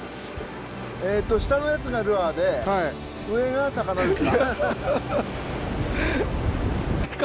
えっと下のやつがルアーではい上が魚ですか？